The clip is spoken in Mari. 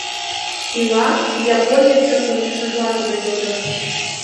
Ила? — японецын ончышыжла тудо йодо